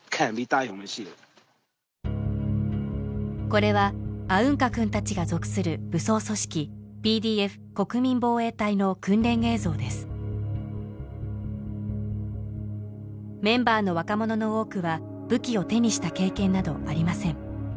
これはアウンカくんたちが属する武装組織ＰＤＦ国民防衛隊の訓練映像ですメンバーの若者の多くは武器を手にした経験などありません